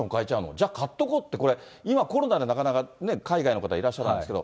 じゃあ、かっとこうって、今、コロナでなかなか、海外の方、いらっしゃらないですけど。